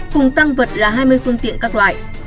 cùng tăng vật là hai mươi phương tiện các loại